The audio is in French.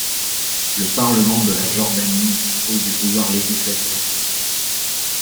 Le Parlement de la Jordanie dispose du pouvoir législatif.